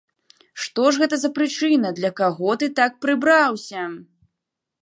Што ж гэта за прычына, для каго ты так прыбраўся?